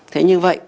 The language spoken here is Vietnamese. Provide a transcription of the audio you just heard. thế như vậy